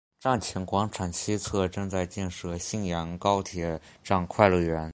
站前广场西侧正在建设信阳高铁站快乐园。